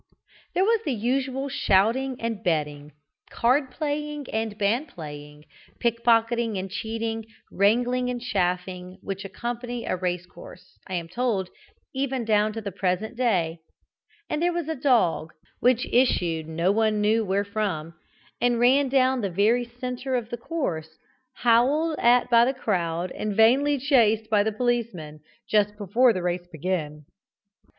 There was the usual shouting and betting, card playing and band playing, pick pocketing and cheating, wrangling and chaffing, which accompany a race course, I am told, even down to the present day; and there was a dog, which issued no one knew where from, and ran down the very centre of the course, howled at by the crowd and vainly chased by the policemen, just before the race began.